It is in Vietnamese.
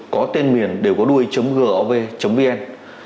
có tên miền đều có đuôi gov vn